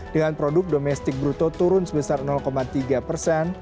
dengan produk domestik bruto turun sebesar tiga persen